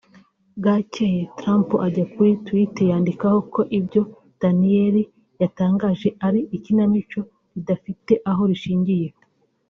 Bwacyeye Trump ajya kuri Twitter yandika ko ibyo Daniels yatangaje ari ikinamico ridafite aho rishingiye